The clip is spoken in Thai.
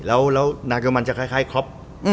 แล้วนากเอเอามันจะคล้ายครอบ